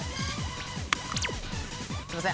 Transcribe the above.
すいません。